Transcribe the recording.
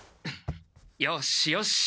よしよし！